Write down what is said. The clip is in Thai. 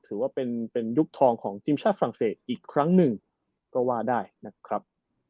ถือว่าเป็นยุคทองของทีมชาติฝรั่งเศสอีกครั้งหนึ่งก็ว่าได้นะครับ